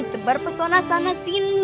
tebar pesona sana sini